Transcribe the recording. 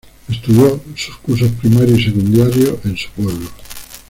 Estudió sus cursos primarios y secundarios en su pueblo.